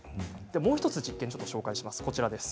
もう１つ、実験を紹介します。